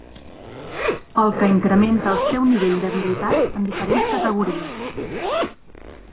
El que incrementa el seu nivell d'habilitat en diferents categories.